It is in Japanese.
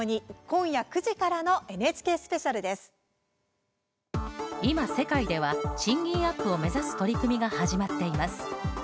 今、世界では賃金アップを目指す取り組みが始まっています。